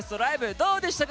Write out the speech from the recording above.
どうでしたか？